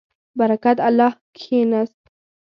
برکت الله کښېنست.